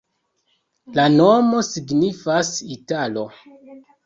La nomo signifas: italo.